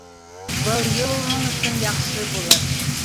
Был йыл уның өсөн яҡшы булыр.